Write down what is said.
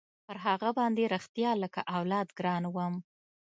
پر هغه باندې رښتيا لكه اولاد ګران وم.